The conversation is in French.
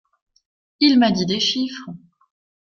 Il m'a dit des chiffres!